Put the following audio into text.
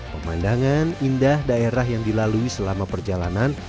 pemandangan indah daerah yang dilalui selama perjalanan